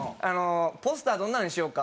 「ポスターどんなのにしようか？」